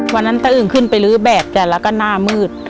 วันนั้นตะอึ่งขึ้นไปลื้อแบบกันแล้วก็หน้ามืด